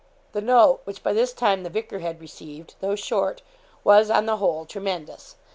The note, which by this time the vicar had received, though short, was, on the whole, tremendous.